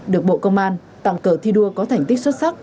được bộ công an tặng cờ thi đua có thành tích xuất sắc